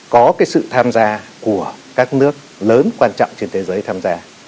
có cái sự tham gia của các nước lớn quan trọng trên thế giới tham gia